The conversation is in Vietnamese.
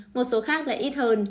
một số khác lại ít hơn